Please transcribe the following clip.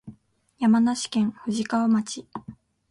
山梨県富士川町